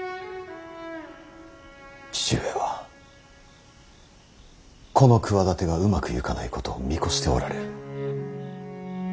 父上はこの企てがうまくゆかないことを見越しておられる。